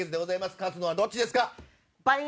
勝つのはどっちですか？